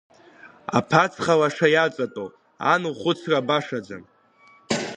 Аԥацха лаша иаҵатәоу, ан лхәыцра башаӡам.